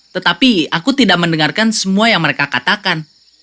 tetapi aku tidak mendengarkan semua yang mereka katakan